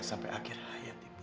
sampai akhir hayat ibu